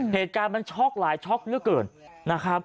เหตุการณ์มันช็อคหลายช็อคเยอะเกิน